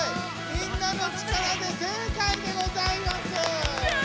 みんなの力で正解でございます。